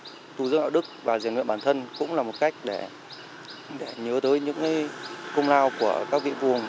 để chúng tôi thì việc thu giữ ảo đức và diện nguyện bản thân cũng là một cách để nhớ tới những công lao của các vị vua hùng